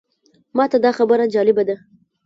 ماته دا خبره جالبه ده.